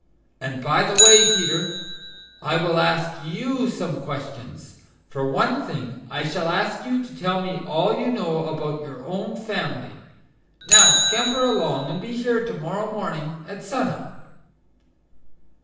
And, by the way, Peter, I will ask YOU some questions. For one thing I shall ask you to tell me all you know about your own family. Now scamper along and be here to morrow morning at sun up."